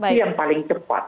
itu yang paling cepat